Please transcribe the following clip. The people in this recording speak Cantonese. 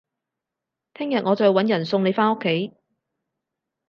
聽日我再搵人送你返屋企